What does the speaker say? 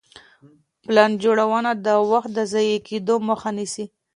پلان جوړونه د وخت د ضايع کيدو مخه نيسي.